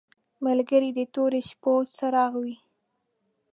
ملګری د تورو شپو څراغ وي.